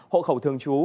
hộ khẩu thường chú